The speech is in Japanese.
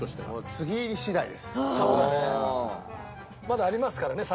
まだありますからね